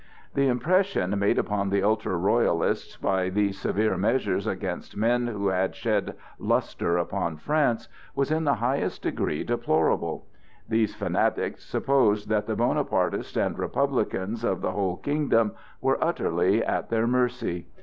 The impression made upon the ultra Royalists by these severe measures against men who had shed lustre upon France, was in the highest degree deplorable. These fanatics supposed that the Bonapartists and Republicans of the whole kingdom were utterly at their mercy.